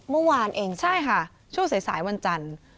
เมื่อวานเองใช่ค่ะช่วงสายวันจันทร์